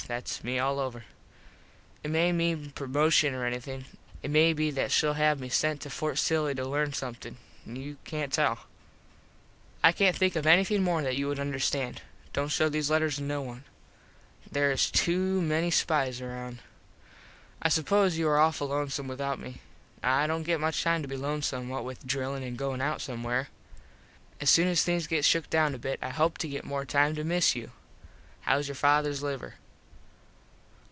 Thats me all over. It may mean promoshun or anything. It may be that shell have me sent to Fort Silly to learn somethin. You cant tell. [Illustration: "I SAT NEXT TO A COLONELS WIFE"] I cant think of anything more that you would understand. Dont show these letters to kno one. There is to many spize around. I suppose you are awful lonesome without me. I dont get much time to be lonesome what with drillin an goin out somewhere. As soon as things get shook down a bit I hope to get more time to miss you. Hows your fathers liver?